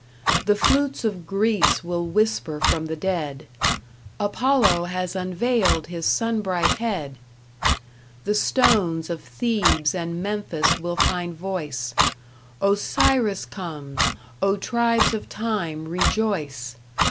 The flutes of Greece will whisper from the dead: "Apollo has unveiled his sunbright head!" The stones of Thebes and Memphis will find voice: "Osiris comes: Oh tribes of Time, rejoice!"